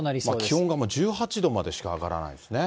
気温が１８度までしか上がらないんですね。